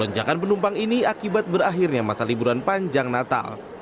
lonjakan penumpang ini akibat berakhirnya masa liburan panjang natal